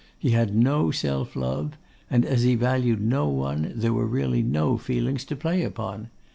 He had no self love, and as he valued no one, there were really no feelings to play upon.